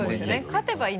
勝てばいい。